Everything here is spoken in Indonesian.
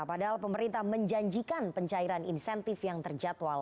padahal pemerintah menjanjikan pencairan insentif yang terjatual